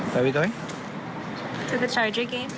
ไปที่ชาร์จเกม